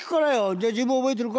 じゃあ自分覚えてるか？